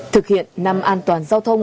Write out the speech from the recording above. thực hiện năm an toàn giao thông